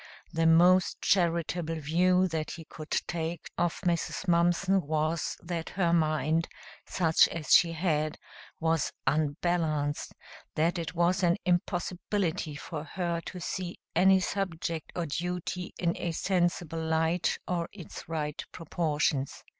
The most charitable view that he could take of Mrs. Mumpson was that her mind such as she had was unbalanced, that it was an impossibility for her to see any subject or duty in a sensible light or its right proportions.